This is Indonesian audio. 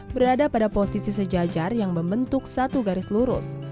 berada pada posisi sejajar yang membentuk satu garis lurus